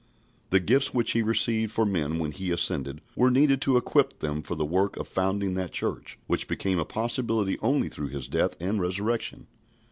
The gifts which He received for men when He ascended were needed to equip them for the work of founding that Church, which became a possibility only through His death and resurrection.